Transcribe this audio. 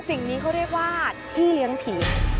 สิ่งนี้เขาเรียกว่าพี่เลี้ยงผี